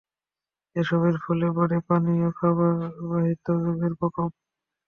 এসবের ফলে বাড়ে পানি ও খাবারবাহিত রোগের প্রকোপ।